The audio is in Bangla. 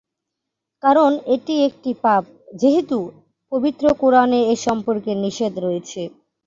কারণ এটি একটি পাপ, যেহেতু, পবিত্র কোরআনে এ সম্পর্কে নিষেধ রয়েছে।